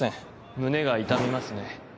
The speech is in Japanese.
胸が痛みますね